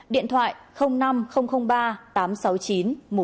điện thoại năm nghìn ba tám trăm sáu mươi chín một trăm bảy mươi sáu